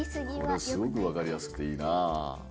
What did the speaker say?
これすごくわかりやすくていいなあ。